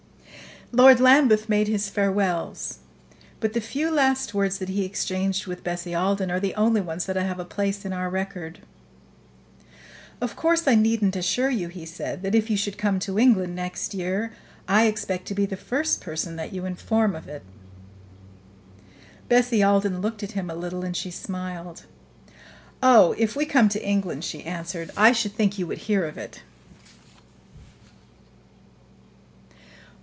Lord Lambeth made his farewells; but the few last words that he exchanged with Bessie Alden are the only ones that have a place in our record. "Of course I needn't assure you," he said, "that if you should come to England next year, I expect to be the first person that you inform of it." Bessie Alden looked at him a little, and she smiled. "Oh, if we come to London," she answered, "I should think you would hear of it."